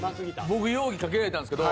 僕容疑かけられたんですけど